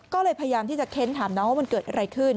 ก็เลยพยายามที่จะเค้นถามน้องว่ามันเกิดอะไรขึ้น